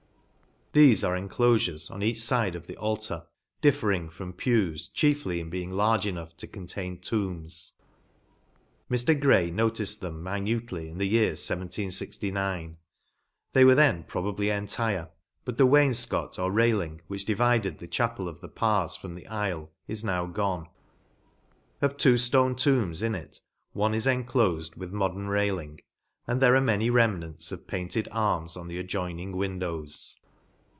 Thefe are en clofures, on each fide of the altar, differing from pews chiefly in being large enough to contain tombs. Mr. Gray noticed them minutely in the year 1769. They were then probably entire \ but the wainfcot or railing, ENGLAND. 20? railing, which divided the chapel of the Parrs from the aifle, is now gone. Of two ftone tombs in it one is enclofed with modern railing, and there are many rem nants of painted arms on the adjoining windows.